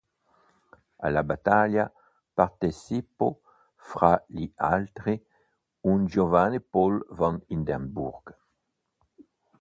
Alla battaglia partecipò, fra gli altri, un giovane Paul von Hindenburg.